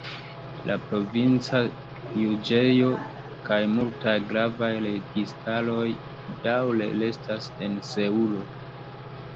La provinca juĝejo kaj multaj gravaj registaroj daŭre restas en Seulo.